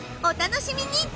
お楽しみに！